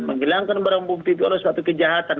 menghilangkan barang bukti itu adalah suatu kejahatan